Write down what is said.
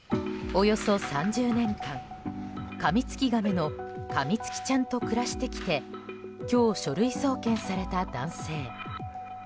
およそ３０年間カミツキガメのカミツキちゃんと暮らしてきて今日、書類送検された男性。